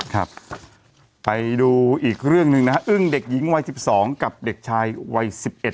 ครับไปดูอีกเรื่องหนึ่งนะฮะอึ้งเด็กหญิงวัย๑๒กับเด็กชายวัย๑๑